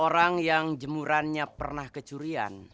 orang yang jemurannya pernah kecurian